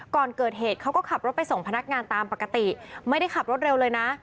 ก่อนเกิดเหตุเขาก็ขับรถไปส่งพนักงานตามปกติไม่ได้ขับรถเร็วเลยนะ